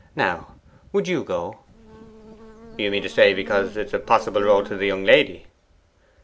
Now, would you go?' 'You mean to say, because it is a possible road to the young lady.